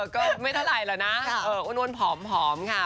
ก็ไม่เท่าไรหรอกนะอวนผอมค่ะ